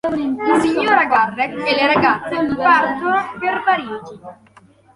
La signora Garrett e le ragazze partono per Parigi.